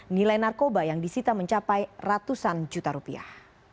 nilai narkoba yang disita mencapai ratusan juta rupiah